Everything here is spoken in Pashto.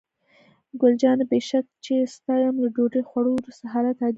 ګل جانې: بې شک چې ستا یم، له ډوډۍ خوړو وروسته حالات عادي شول.